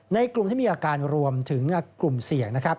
ในกลุ่มที่มีอาการรวมถึงกลุ่มเสี่ยงนะครับ